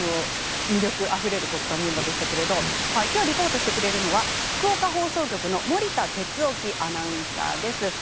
魅力あふれる国産メンマでしたけども、きょうリポートしてくれるのは福岡放送局の森田哲意アナウンサーです。